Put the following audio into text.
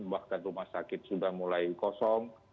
bahkan rumah sakit sudah mulai kosong